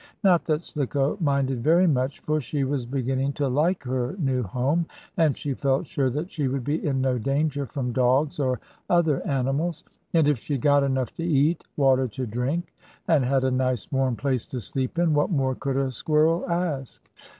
Not that Slicko minded very much, for she was beginning to like her new home, and she felt sure that she would be in no danger from dogs, or other animals. And if she got enough to eat, water to drink, and had a nice, warm place to sleep in, what more could a squirrel ask?